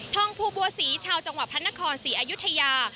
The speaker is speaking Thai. องภูบัวศรีชาวจังหวัดพระนครศรีอายุทยา